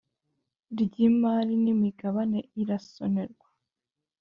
Ry imari n imigabane irasonerwa